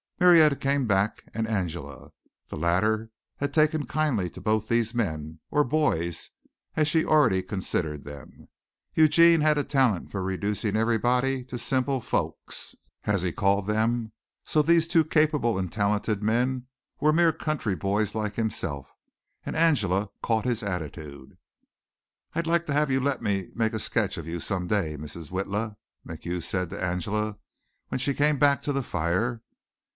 Marietta came back, and Angela. The latter had taken kindly to both these men, or boys as she already considered them. Eugene had a talent for reducing everybody to "simply folks," as he called them. So these two capable and talented men were mere country boys like himself and Angela caught his attitude. "I'd like to have you let me make a sketch of you some day, Mrs. Witla," MacHugh said to Angela when she came back to the fire.